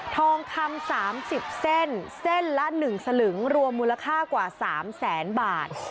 ทองคำ๓๐เส้นเส้นละ๑สลึงรวมมูลค่ากว่า๓แสนบาท